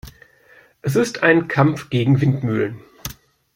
Es ist ein Kampf gegen Windmühlen.